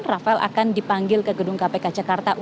rafael akan dipanggil ke gedung kpk jakarta